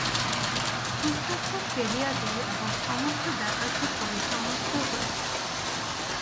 পুস্তকটি ফেলিয়া দিই, এবং সমস্ত ব্যাপারটি পরিসমাপ্ত হইয়া যায়।